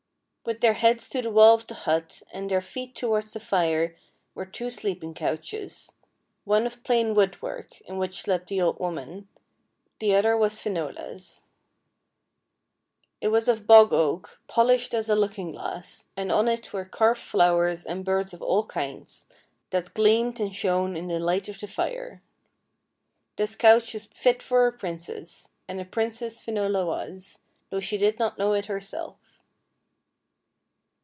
With their heads to the wall of the hut and their feet towards the fire were two sleeping couches one of plain woodwork, in which slept the old woman ; the other was Fiuola's. It was of bog 149 150 FAIRY TALES oak, polished as a looking glass, and on it were carved flowers and birds of all kinds, that gleamed and shone in the light of the fire. This couch was fit for a princess, and a princess Fi nola was, though she did not know it herself.